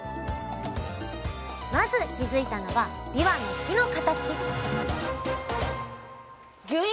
まず気づいたのはびわの木の形！